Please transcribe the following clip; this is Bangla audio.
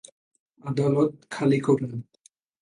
আদালত খালি করুন!